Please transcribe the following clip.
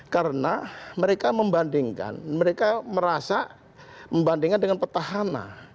karena mereka membandingkan mereka merasa membandingkan dengan petahana